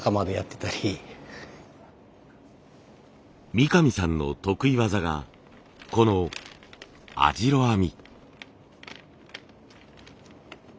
三上さんの得意技がこのあじろ編み。